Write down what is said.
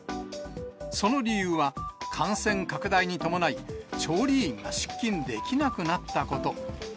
その理由は、感染拡大に伴い、調理員が出勤できなくなったこと。